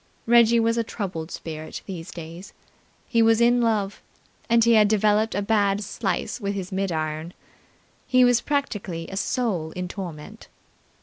Reggie's was a troubled spirit these days. He was in love, and he had developed a bad slice with his mid iron. He was practically a soul in torment.